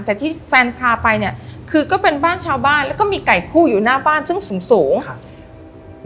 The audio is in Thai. แต่ที่แฟนพาไปเนี่ยคือก็เป็นบ้านชาวบ้านแล้วก็มีไก่คู่อยู่หน้าบ้านซึ่งสูงสูงครับ